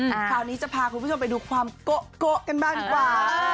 อืมคราวนี้จะพาคุณผู้ชมไปดูความเกาะเกาะกันบ้างกว่าเออ